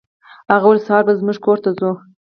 هغه وویل سهار به زموږ کور ته ځو.